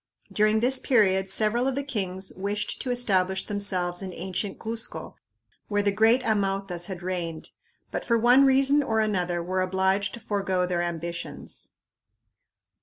During this period several of the kings wished to establish themselves in ancient Cuzco, where the great Amautas had reigned, but for one reason or another were obliged to forego their ambitions.